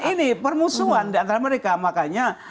ini permusuhan diantara mereka makanya